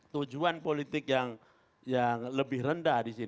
tujuan politik yang lebih rendah di sini